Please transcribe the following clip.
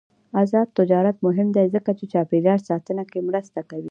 آزاد تجارت مهم دی ځکه چې چاپیریال ساتنه کې مرسته کوي.